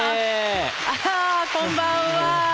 あこんばんは！